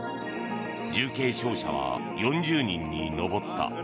重軽傷者は４０人に上った。